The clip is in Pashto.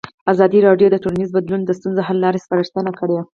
ازادي راډیو د ټولنیز بدلون د ستونزو حل لارې سپارښتنې کړي.